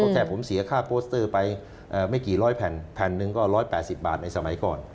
แค่ผมเสียค่าโปสเตอร์ไปไม่กี่ร้อยแผ่นแผ่นหนึ่งก็๑๘๐บาทในสมัยก่อน